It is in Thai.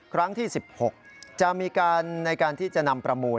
ครั้งที่๑๖จะมีการในการที่จะนำประมูล